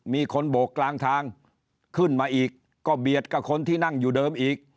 มีคนโบกกลางทางขึ้นมาอีกก็เบียดกับคนที่นั่งอยู่เดิมอีก